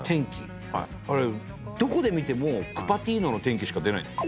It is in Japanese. あれどこで見てもクパティーノの天気しか出ない。